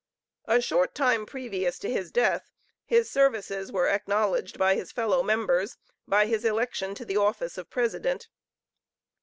A short time previous to his death, his services were acknowledged by his fellow members, by his election to the office of president.